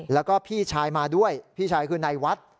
แล้วก็พี่ชายมาด้วยพี่ชายคือนายวัด